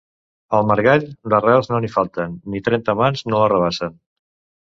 Al margall, d'arrels no n'hi falten; ni trenta mans no l'arrabassen.